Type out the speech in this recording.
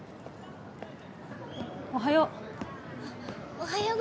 おはよう。